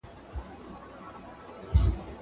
زه نان خوړلی دی.